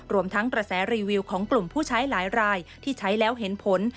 รวมทั้งกระแสรีวิวของกลุ่มผู้ใช้หลายรายที่ใช้แล้วเห็นผล